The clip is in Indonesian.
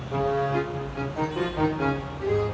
tidak ada yang nunggu